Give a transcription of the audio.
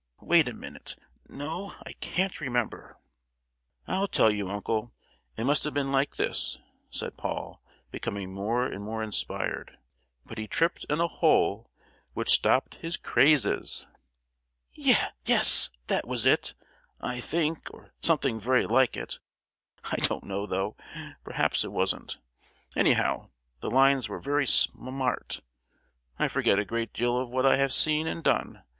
Wait a minute! No, I can't remember." "I'll tell you, uncle. It must have been like this," said Paul, becoming more and more inspired:— "But he tripped in a hole, Which stopped his crazes." "Ye—yes, that was it, I think, or something very like it. I don't know, though—perhaps it wasn't. Anyhow, the lines were very sm—art. I forget a good deal of what I have seen and done.